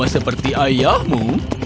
kau sama seperti ayahmu